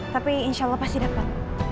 tapi insya allah pasti depan